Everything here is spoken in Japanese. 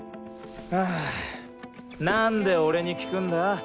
あなんで俺に聞くんだ？